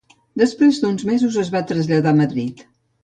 Després d'uns mesos es va traslladar a Madrid.